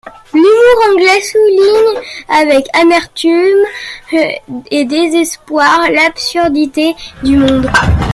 L'humour anglais souligne avec amertume et désespoir l'absurdité du monde.